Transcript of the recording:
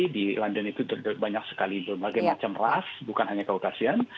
di london itu terdapat banyak sekali berbagai macam las bukan hanya kaukasian